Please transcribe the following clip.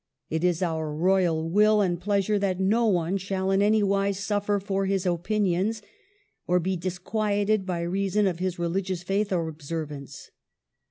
It is our Royal will and pleasure that no one shall in any wise suffer for his opinions, or be disquieted by reason of his religious faith or observance.